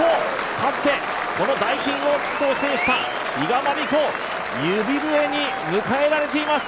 かつて、ダイキンオーキッドを制した比嘉真美子指笛に迎えられています。